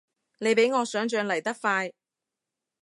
你比我想像嚟得快